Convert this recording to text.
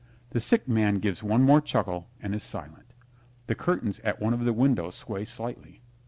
The Sick Man gives one more chuckle and is silent. The curtains at one of the windows sway slightly.